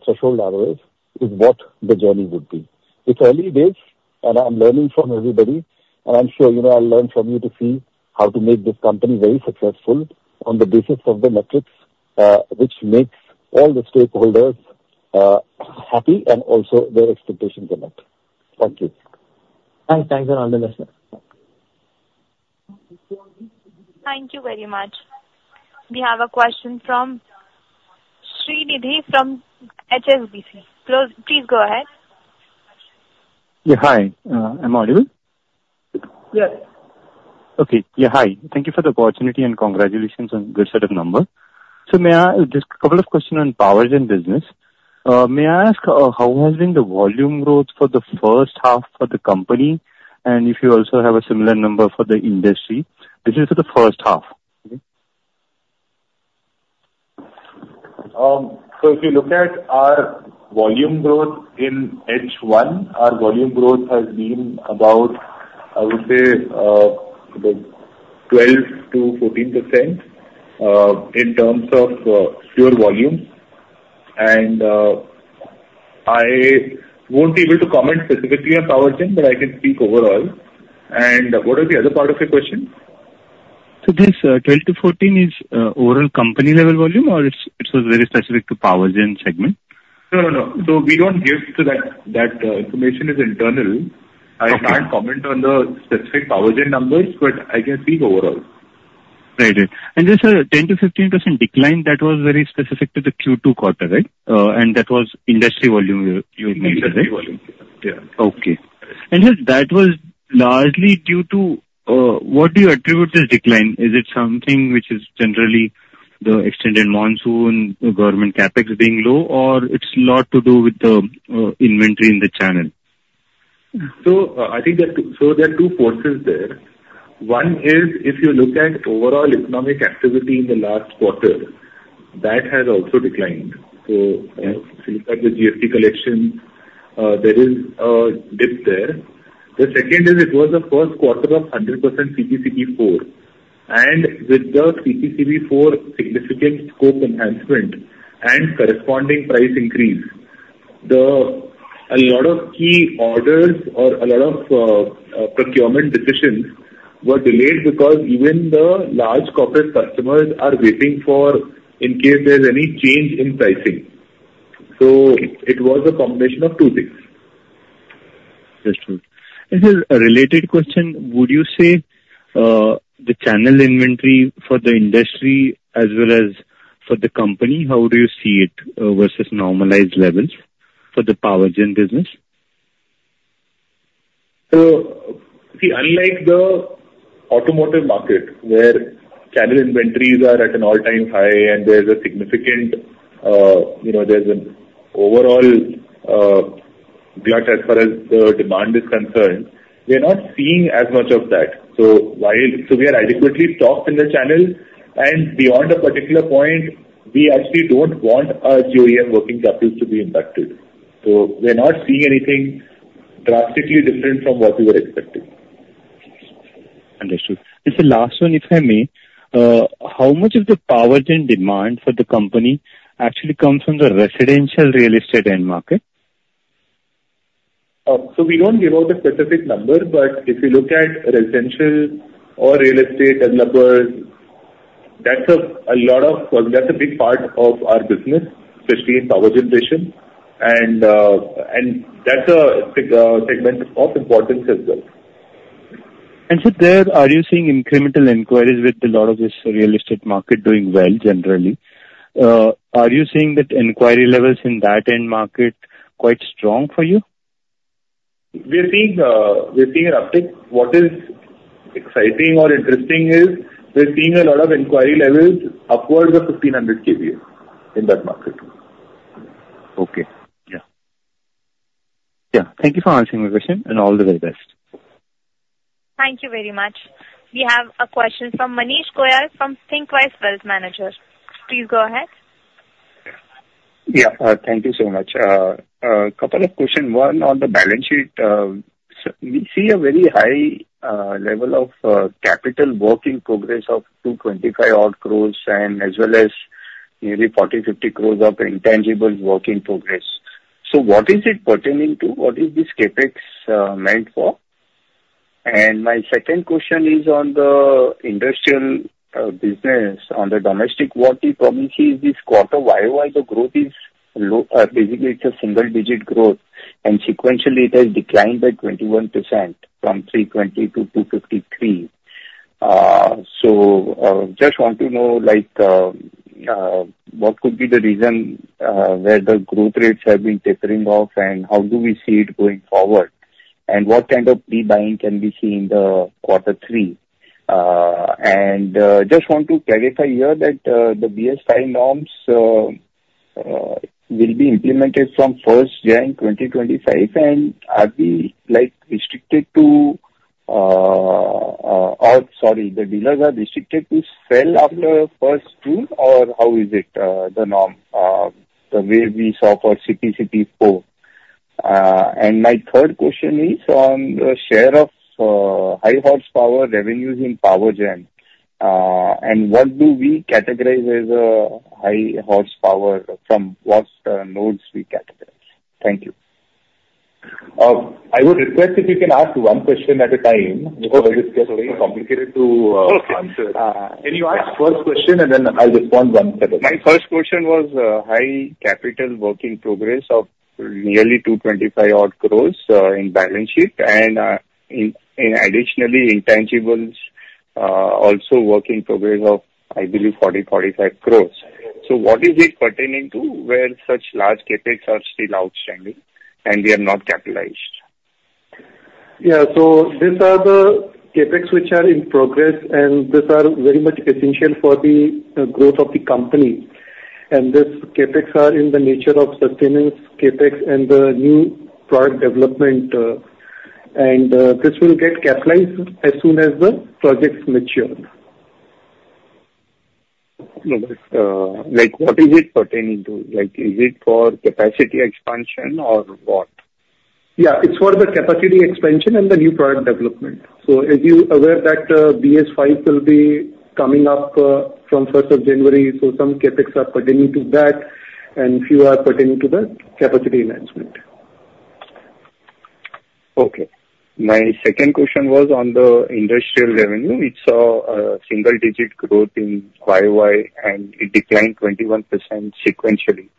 threshold ROAs, is what the journey would be. It's early days, and I'm learning from everybody, and I'm sure I'll learn from you to see how to make this company very successful on the basis of the metrics, which makes all the stakeholders happy and also their expectations aligned. Thank you. Thanks. Thanks for all the best, sir. Thank you very much. We have a question from Srinidhi from HSBC. Please go ahead. Yeah. Hi. Am I audible? Yes. Okay. Yeah. Hi. Thank you for the opportunity and congratulations on a good set of numbers. So just a couple of questions on Powergen business. May I ask how has been the volume growth for the first half for the company? And if you also have a similar number for the industry, this is for the first half. If you look at our volume growth in H1, our volume growth has been about, I would say, 12%-14% in terms of pure volume. I won't be able to comment specifically on Powergen, but I can speak overall. What was the other part of your question? So this 12%-14% is overall company-level volume, or it was very specific to Powergen segment? No, no, no. So we don't give to that. That information is internal. I can't comment on the specific power gain numbers, but I can speak overall. Right, and just a 10%-15% decline, that was very specific to the Q2 quarter, right? And that was industry volume, you mean, right? Industry volume. Yeah. Okay. And that was largely due to what do you attribute this decline? Is it something which is generally the extended monsoon, government CapEx being low, or it's a lot to do with the inventory in the channel? So I think that there are two forces there. One is, if you look at overall economic activity in the last quarter, that has also declined. So if you look at the GST collection, there is a dip there. The second is, it was the first quarter of 100% CPCB IV. And with the CPCB IV significant scope enhancement and corresponding price increase, a lot of key orders or a lot of procurement decisions were delayed because even the large corporate customers are waiting in case there's any change in pricing. So it was a combination of two things. That's true. And a related question, would you say the channel inventory for the industry as well as for the company, how do you see it versus normalized levels for the Powergen business? So see, unlike the automotive market, where channel inventories are at an all-time high and there's a significant overall glut as far as the demand is concerned, we're not seeing as much of that. So we are adequately stocked in the channel, and beyond a particular point, we actually don't want our GOEM working capital to be impacted, so we're not seeing anything drastically different from what we were expecting. Understood. And so last one, if I may, how much of the Powergen demand for the company actually comes from the residential real estate end market? We don't give out a specific number, but if you look at residential or real estate developers, that's a big part of our business, especially in Power Generation. That's a segment of importance as well. Are you seeing incremental inquiries with a lot of this real estate market doing well generally? Are you seeing that inquiry levels in that end market quite strong for you? We're seeing an uptick. What is exciting or interesting is we're seeing a lot of inquiry levels upwards of 1,500 kVA in that market. Okay. Yeah. Yeah. Thank you for answering my question, and all the very best. Thank you very much. We have a question from Manish Goyal from Thinkwise Wealth Managers. Please go ahead. Yeah. Thank you so much. A couple of questions. One on the balance sheet. We see a very high level of capital work in progress of INR 225 odd crores as well as nearly 40 crores-50 crores of intangibles work in progress. So what is it pertaining to? What is this CapEx meant for? And my second question is on the industrial business, on the domestic warranty spares, this quarter why the growth is low? Basically, it's a single-digit growth. And sequentially, it has declined by 21% from 320 crore to 253 crore. So just want to know what could be the reason where the growth rates have been tapering off, and how do we see it going forward? And what kind of recovery can we see in the quarter three? And just want to clarify here that the BS V norms will be implemented from 1st January 2025. Sorry, the dealers are restricted to sell after 1st June, or how is it, the norm, the way we saw for CPCB IV? And my third question is on the share of high horsepower revenues in Powergen. And what do we categorize as high horsepower from what nodes we categorize? Thank you. I would request if you can ask one question at a time because it's getting complicated to answer. Can you ask first question, and then I'll respond one step at a time? My first question was high capital work in progress of nearly 225 crore in balance sheet. And additionally, intangibles also work in progress of, I believe, 40 crore-45 crore. So what is it pertaining to where such large CapEx are still outstanding, and they are not capitalized? Yeah. So these are the CapEx which are in progress, and these are very much essential for the growth of the company. And these CapEx are in the nature of sustenance CapEx and the new product development. And this will get capitalized as soon as the projects mature. What is it pertaining to? Is it for capacity expansion or what? Yeah. It's for the capacity expansion and the new product development. So as you are aware, that BS V will be coming up from 1st of January. So some CapEx are pertaining to that, and a few are pertaining to the capacity enhancement. Okay. My second question was on the industrial revenue. It saw a single-digit growth in YOY, and it declined 21% sequentially.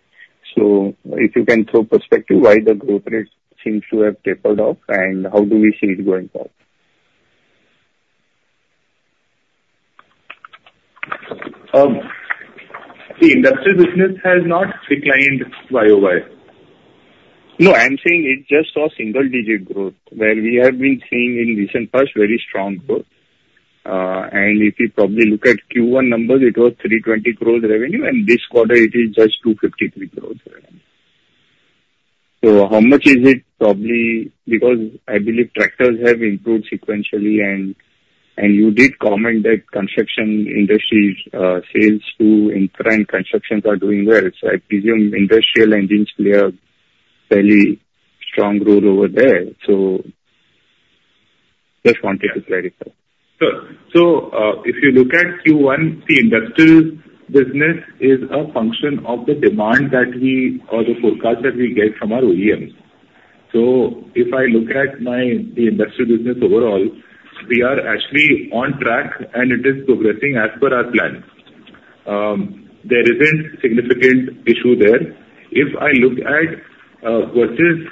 So if you can throw perspective, why the growth rate seems to have tapered off, and how do we see it going forward? The industrial business has not declined YOY. No. I'm saying it just saw single-digit growth, where we have been seeing in recent past very strong growth and if you probably look at Q1 numbers, it was 320 crores revenue, and this quarter, it is just 253 crores revenue. So how much is it probably because I believe tractors have improved sequentially, and you did comment that construction industry sales to infra and constructions are doing well. So I presume industrial engines play a fairly strong role over there, so just wanted to clarify. Sure, so if you look at Q1, the industrial business is a function of the demand that we or the forecast that we get from our OEMs. So if I look at the industrial business overall, we are actually on track, and it is progressing as per our plan. There isn't a significant issue there. If I look at versus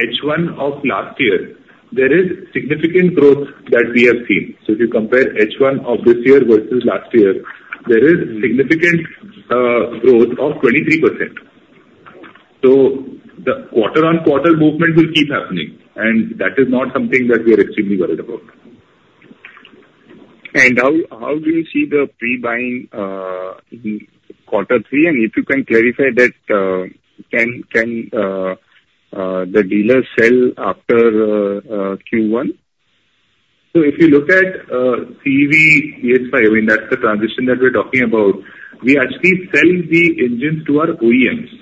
H1 of last year, there is significant growth that we have seen. So if you compare H1 of this year versus last year, there is significant growth of 23%. So the quarter-on-quarter movement will keep happening, and that is not something that we are extremely worried about. How do you see the pre-buying in quarter three? And if you can clarify that, can the dealers sell after Q1? So if you look at CEV BS V, I mean, that's the transition that we're talking about. We actually sell the engines to our OEMs,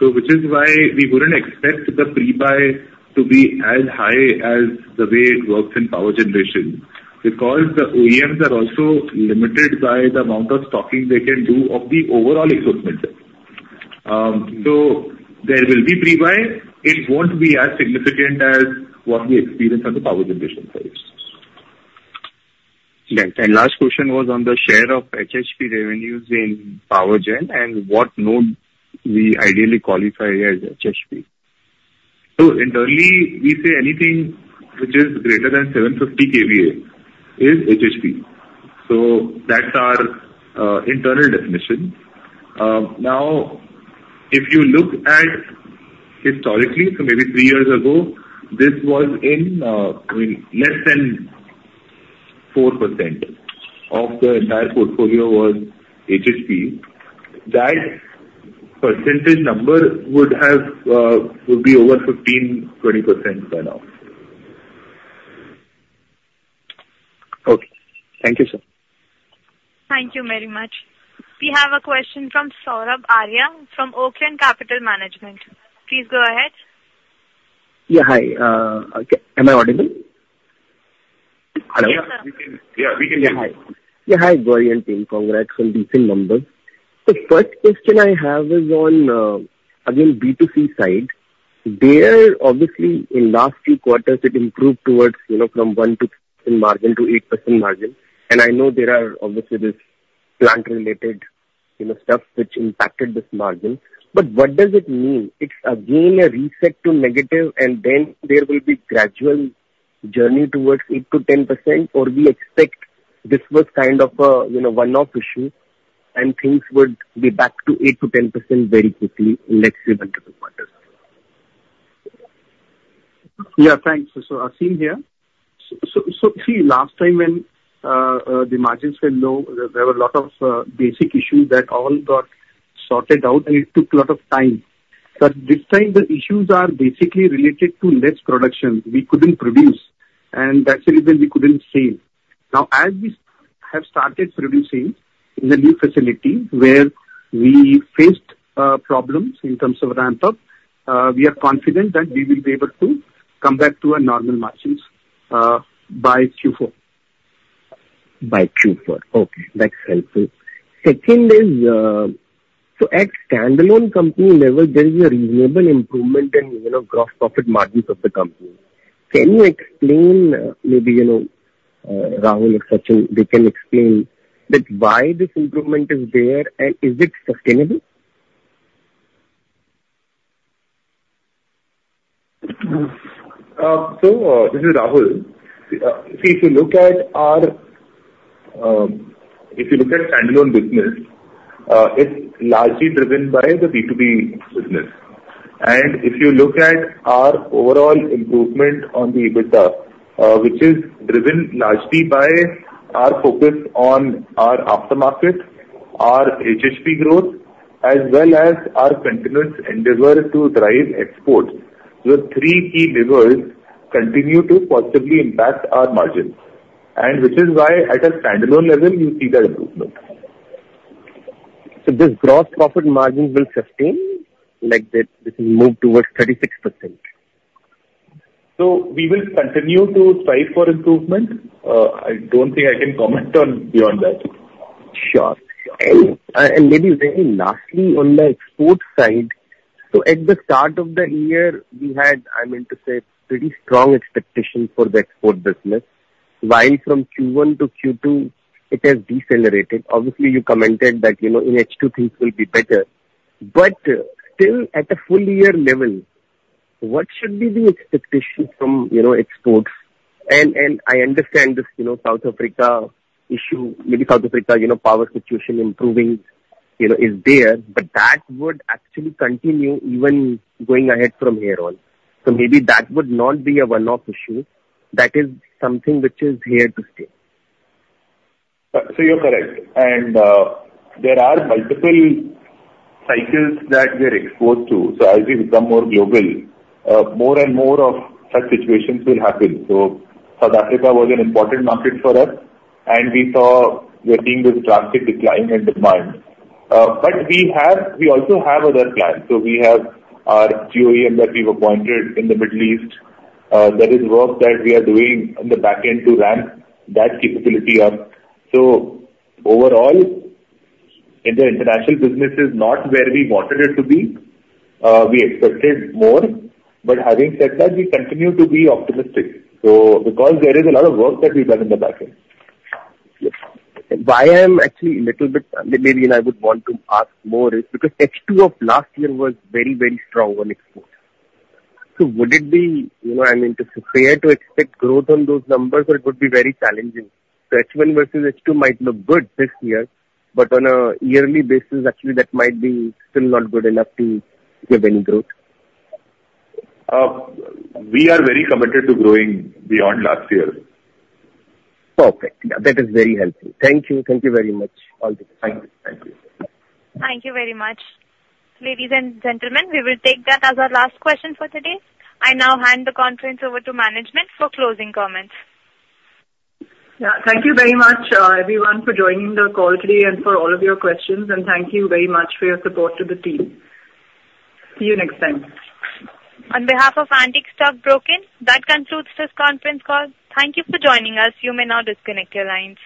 which is why we wouldn't expect the pre-buy to be as high as the way it works in Power Generation because the OEMs are also limited by the amount of stocking they can do of the overall equipment. So there will be pre-buy. It won't be as significant as what we experience on the Power Generation side. And last question was on the share of HHP revenues in Powergen and what we ideally qualify as HHP. Internally, we say anything which is greater than 750 kVA is HHP. So that's our internal definition. Now, if you look at historically, so maybe three years ago, this was in less than 4% of the entire portfolio was HHP. That percentage number would be over 15%-20% by now. Okay. Thank you, sir. Thank you very much. We have a question from Sourabh Arya from Oaklane Capital Management. Please go ahead. Yeah. Hi. Am I audible? Yes, sir. Yeah. We can hear you. Yeah. Hi. Yeah. Hi, Gauri and team. Congrats on decent numbers. The first question I have is on, again, B2C side. Obviously, in the last few quarters, it improved from 1% margin to 8% margin. And I know there are obviously this plant-related stuff which impacted this margin. But what does it mean? It's again a reset to negative, and then there will be a gradual journey towards 8%-10%, or we expect this was kind of a one-off issue, and things would be back to 8%-10% very quickly in the next few months. Yeah. Thanks. Srivastav here. So see, last time when the margins were low, there were a lot of basic issues that all got sorted out, and it took a lot of time. But this time, the issues are basically related to less production. We couldn't produce, and that's the reason we couldn't save. Now, as we have started producing in the new facility where we faced problems in terms of ramp-up, we are confident that we will be able to come back to normal margins by Q4. By Q4. Okay. That's helpful. Second is, so at standalone company level, there is a reasonable improvement in gross profit margins of the company. Can you explain, maybe Rahul or Sachin, they can explain a bit why this improvement is there, and is it sustainable? This is Rahul. See, if you look at standalone business, it's largely driven by the B2B business. If you look at our overall improvement on the EBITDA, which is driven largely by our focus on our aftermarket, our HHP growth, as well as our continuous endeavor to drive exports, the three key levers continue to positively impact our margins. This is why at a standalone level, you see that improvement. So this gross profit margin will sustain? This will move towards 36%. So we will continue to strive for improvement. I don't think I can comment on beyond that. Sure. And maybe very lastly on the export side. So at the start of the year, we had, I mean, to say, pretty strong expectations for the export business, while from Q1 to Q2, it has decelerated. Obviously, you commented that in H2, things will be better. But still, at a full-year level, what should be the expectation from exports? And I understand this South Africa issue, maybe South Africa power situation improving is there, but that would actually continue even going ahead from here on. So maybe that would not be a one-off issue. That is something which is here to stay. So you're correct. And there are multiple cycles that we're exposed to. So as we become more global, more and more of such situations will happen. So South Africa was an important market for us, and we're seeing this drastic decline in demand. But we also have other plans. So we have our GOEM that we've appointed in the Middle East. There is work that we are doing in the backend to ramp that capability up. So overall, in the international business, it's not where we wanted it to be. We expected more. But having said that, we continue to be optimistic because there is a lot of work that we've done in the backend. Why I am actually a little bit maybe I would want to ask more is because H2 of last year was very, very strong on exports. So would it be, I mean, to fail to expect growth on those numbers, or it would be very challenging? So H1 versus H2 might look good this year, but on a yearly basis, actually, that might be still not good enough to give any growth. We are very committed to growing beyond last year. Perfect. That is very helpful. Thank you. Thank you very much. All the best. Thank you. Thank you. Thank you very much. Ladies and gentlemen, we will take that as our last question for today. I now hand the conference over to management for closing comments. Yeah. Thank you very much, everyone, for joining the call today and for all of your questions. And thank you very much for your support to the team. See you next time. On behalf of Antique Stock Broking, that concludes this conference call. Thank you for joining us. You may now disconnect your lines.